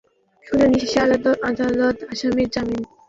শুনানি শেষে আদালত আসামির জামিন বাতিল করে দুই দিনের রিমান্ড মঞ্জুর করেন।